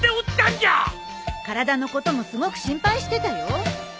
体のこともすごく心配してたよ。